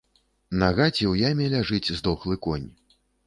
На гаці ў яме ляжыць здохлы конь.